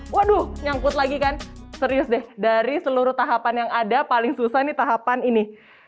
waduh nyangkut lagi kan serius deh dari seluruh tahapan yang ada paling susah nih tahapan ini